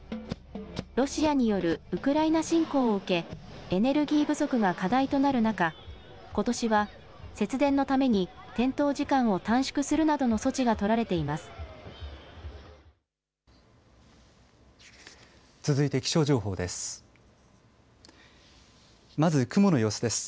ロシアによるウクライナ侵攻を受けエネルギー不足が課題となる中、ことしは節電のために点灯時間を短縮するなどの措置が取られています。